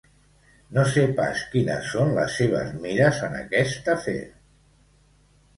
No sé pas quines són les seves mires en aquest afer.